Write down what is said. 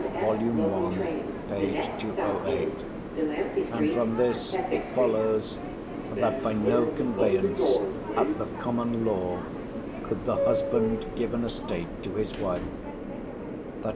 vol. ii., p. 208), and from this it follows that "by no conveyance at the common law could the husband give an estate to his wife;" that "a.